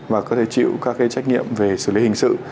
và có thể chịu các cái trách nhiệm về xử lý hình sự